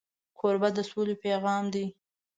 کوربه د سولې پیغام دی.